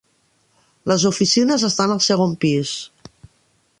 Les oficines estan al segon pis.